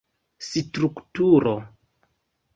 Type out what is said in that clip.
strukturo